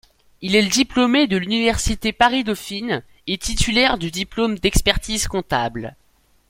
Il est diplômé de l'Université Paris-Dauphine et titulaire du diplôme d'expertise-comptable.